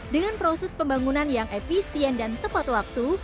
dengan proses pembangunan yang efisien dan tepat waktu